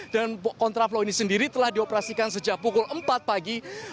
kontraflow ini sendiri telah dioperasikan sejak pukul empat pagi